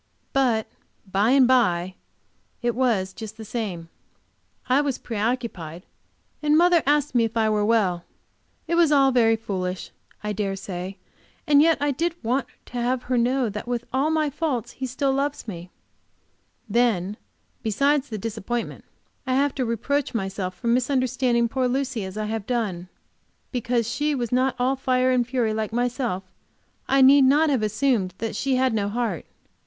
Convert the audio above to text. But "by and by" it was just the same. I was preoccupied, and mother asked me if I were well. It was all very foolish I dare say, and yet I did want to have her know that with all my faults he still loves me. Then, besides this disappointment, I have to reproach myself for misunderstanding poor Lucy as I have done. Because she was not all fire and fury like myself, I need not have assumed that she had no heart.